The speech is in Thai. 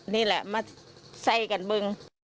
นี่แหละมาใส่กันบึง